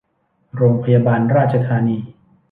โรงพยาบาลราชธานี